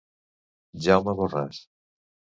Jaume Borràs.